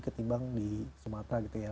ketimbang di sumatera gitu ya